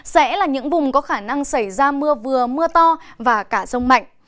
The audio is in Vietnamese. sẽ là những vùng có khả năng xảy ra mưa vừa mưa to và cả rông mạnh